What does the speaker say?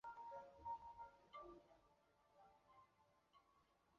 弗雷泽公园是位于美国加利福尼亚州克恩县的一个人口普查指定地区。